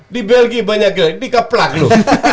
di belgium banyak gaya dikeplak lu